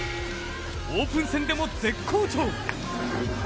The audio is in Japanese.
オープン戦でも絶好調。